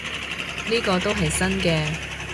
呢個都係新嘅